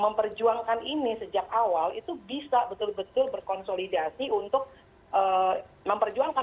memperjuangkan ini sejak awal itu bisa betul betul berkonsolidasi untuk memperjuangkan